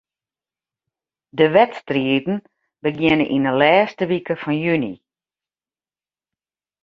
De wedstriden begjinne yn 'e lêste wike fan juny.